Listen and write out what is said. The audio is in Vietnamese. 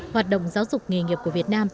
hoạt động giáo dục nghề nghiệp của việt nam